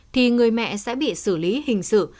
thì người mẹ sẽ bị xử lý hình sự